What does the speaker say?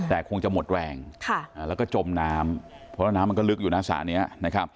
แต่คงจะหมดแรงแล้วก็จมน้ำเพราะว่าน้ำมันก็ลึกอยู่นะสระนี้นะครับ